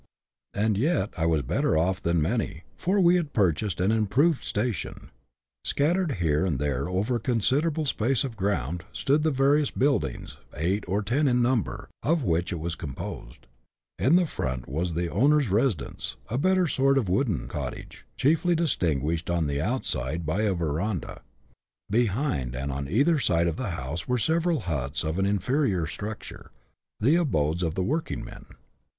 And yet I was better off than many, for we had purchased an " improved station." Scattered here and there over a consider able space of ground, stood the various buildings, eight or ten in number, of which it was composed. In front was the owner's residence, a better sort of wooden cottage, chiefly distinguished on the outside by a verandah ; behind and on either side of the house were several huts of an inferior structure, the abodes of the working men.